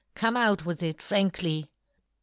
Come, out with it frankly !"